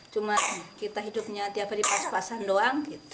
cuma kita hidupnya tiap hari pas pasan doang